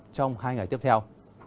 trong hai ngày tiếp theo